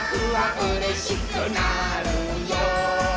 「うれしくなるよ」